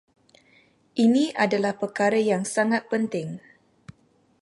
Ini adalah perkara yang sangat penting